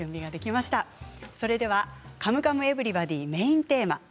「カムカムエヴリバディ」のメインテーマ